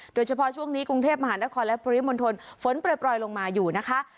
โดยเฉพาะช่วงนี้กรุงเทพมหานครและปริมณฑลฝนปล่อยลงมาอยู่นะคะ